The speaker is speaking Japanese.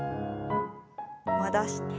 戻して。